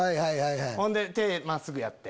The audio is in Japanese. ほんで手真っすぐやって。